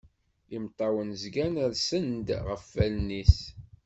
Imeṭṭawen zgan rsen-d ɣef wallen-is.